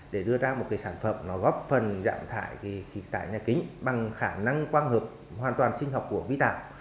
để đưa ra một sản phẩm góp phần dạng thải nhà kính bằng khả năng quang hợp hoàn toàn sinh học của ví tạo